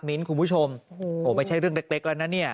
มิ้นคุณผู้ชมโอ้โหไม่ใช่เรื่องเล็กแล้วนะเนี่ย